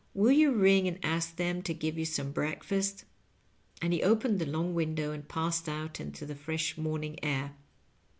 Will you ring and ask them to give you some breakfast?" And he opened the long window and passed out into the fresh morning air.